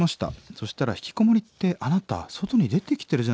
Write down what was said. そしたら『ひきこもりってあなた外に出てきてるじゃない』と言われました。